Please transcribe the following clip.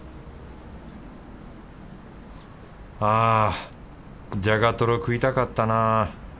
あじゃがとろ食いたかったな。